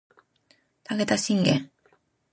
武田信玄